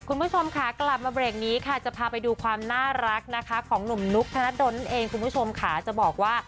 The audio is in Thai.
คุณผู้ชมค่ะกลับมาเบรกนี้ค่ะจะพาไปดูความน่ารักนะคะของหนุ่มนุ๊กธนดลนั่นเองคุณผู้ชมค่ะจะบอกว่า